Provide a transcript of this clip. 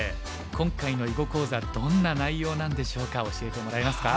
今回の囲碁講座どんな内容なんでしょうか教えてもらえますか？